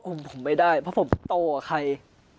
ควบคุมผมไม่ได้เพราะผมโตกับใคร